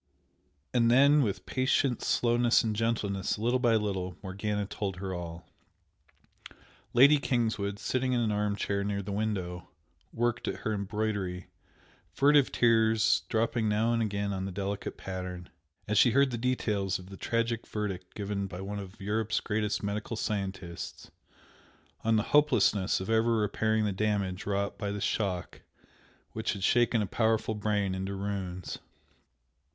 And then, with patient slowness and gentleness, little by little, Morgana told her all. Lady Kingswood, sitting in an arm chair near the window, worked at her embroidery, furtive tears dropping now and again on the delicate pattern, as she heard the details of the tragic verdict given by one of Europe's greatest medical scientists on the hopelessness of ever repairing the damage wrought by the shock which had shaken a powerful brain into ruins.